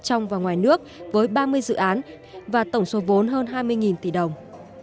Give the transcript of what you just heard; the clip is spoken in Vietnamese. trong và ngoài nước với ba mươi dự án và tổng số vốn hơn hai mươi tỷ đồng